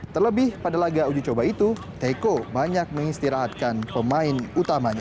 terlebih pada laga uji coba itu teko banyak mengistirahatkan pemain utamanya